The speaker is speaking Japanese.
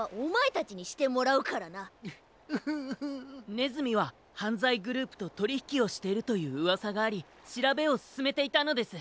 ねずみははんざいグループととりひきをしているといううわさがありしらべをすすめていたのです。